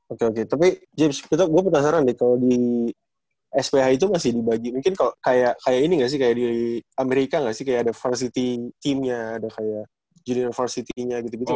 oke oke tapi james gue penasaran deh kalau di sph itu masih dibagi mungkin kayak ini gak sih kayak di amerika gak sih kayak ada varsity team nya ada kayak junior varsity nya gitu gitu